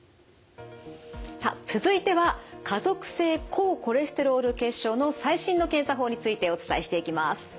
さあ続いては家族性高コレステロール血症の最新の検査法についてお伝えしていきます。